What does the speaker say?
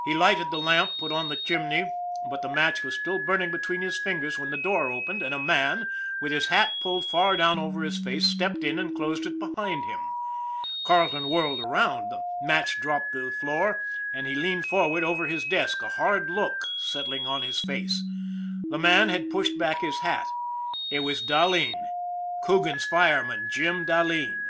He lighted the lamp, put on the chimney, but the match was still burning between his fingers when the door opened and a man, with his hat pulled far down over his face, stepped in and closed it behind him. Carleton whirled around, the match dropped to the floor, and he leaned forward over his desk, a hard look settling on his face. The man had pushed back his hat. It was Dahleen, Coogan's fireman, Jim Dahleen.